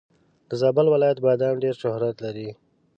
د زابل ولایت بادم ډېر شهرت لري.